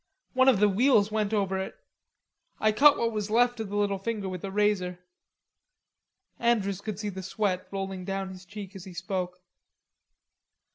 One of the wheels went over it.... I cut what was left of the little finger off with a razor." Andrews could see the sweat rolling down his cheek as he spoke.